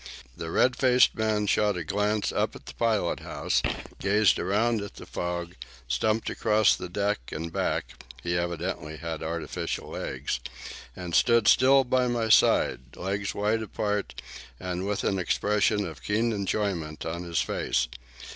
The red faced man shot a glance up at the pilot house, gazed around at the fog, stumped across the deck and back (he evidently had artificial legs), and stood still by my side, legs wide apart, and with an expression of keen enjoyment on his face.